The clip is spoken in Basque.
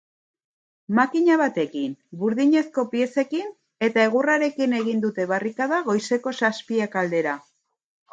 Makina batekin, burdinezko piezekin eta egurrarekin eign dute barrikada goizeko zazpiak aldera.